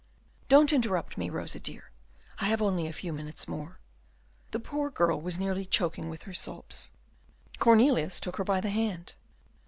Don't interrupt me, Rosa dear, I have only a few minutes more." The poor girl was nearly choking with her sobs. Cornelius took her by the hand.